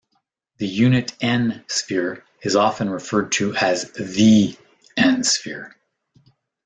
The unit "n"-sphere is often referred to as "the" "n"-sphere.